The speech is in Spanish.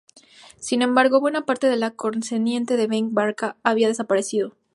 Sin embargo, buena parte de lo concerniente a Ben Barka había desaparecido.